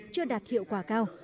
chưa đạt hiệu quả cao